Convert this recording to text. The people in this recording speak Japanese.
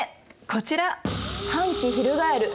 こちら。